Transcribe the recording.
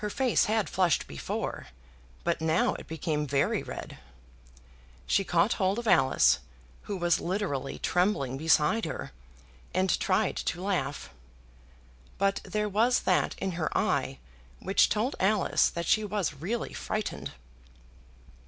Her face had flushed before, but now it became very red. She caught hold of Alice, who was literally trembling beside her, and tried to laugh again. But there was that in her eye which told Alice that she was really frightened.